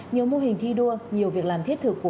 nhiều mô hình thi đua nhiều việc làm thiết thực của phụ nữ